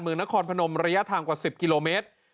นครพนมระยะทางกว่า๑๐กิโลเมตร